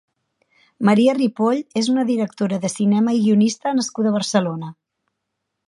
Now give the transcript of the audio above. Maria Ripoll és una directora de cinema i guionista nascuda a Barcelona.